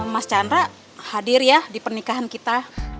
mas chandra hadir ya di pernikahan kita